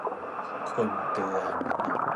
คนเตือน